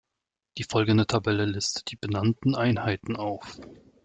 Die folgende Tabelle listet die benannten Einheiten auf.